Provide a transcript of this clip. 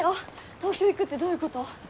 東京行くってどういうこと？